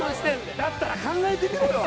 だったら考えてみろよ！